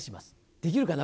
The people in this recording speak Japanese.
できるかな？